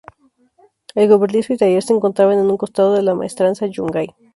El cobertizo y Taller se encontraban en un costado de la Maestranza Yungay.